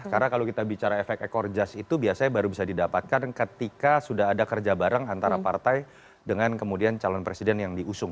karena kalau kita bicara efek ekor jas itu biasanya baru bisa didapatkan ketika sudah ada kerja bareng antara partai dengan kemudian calon presiden yang diusung